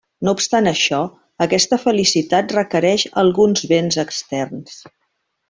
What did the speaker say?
No obstant això, aquesta felicitat requereix alguns béns externs.